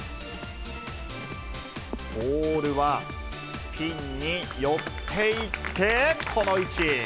ボールはピンに寄っていって、この位置。